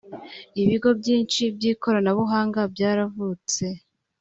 Ibigo byinshi by’ikoranabuhanga byaravutse